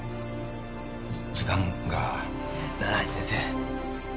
時間が奈良橋先生